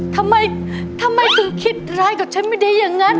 อ้อทำไมทำไมคุณคิดร้ายกับฉันไม่ได้อย่างงั้น